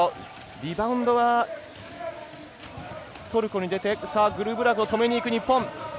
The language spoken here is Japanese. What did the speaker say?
リバウンドはトルコに出てグルブラクを止めにいく日本。